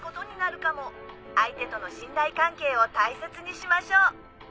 相手との信頼関係を大切にしましょう。